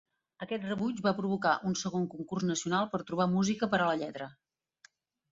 Aquest rebuig va provocar un segon concurs nacional per trobar música per a la lletra.